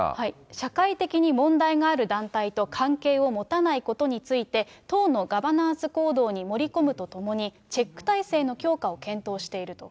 社会的に問題がある団体と関係を持たないことについて、党のガバナンス行動に盛り込むとともに、チェック体制の強化を検討していると。